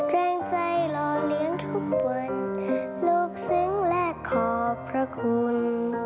แรงใจรอเลี้ยงทุกวันลูกซึ้งและขอบพระคุณ